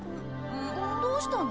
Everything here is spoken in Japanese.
どうしたの？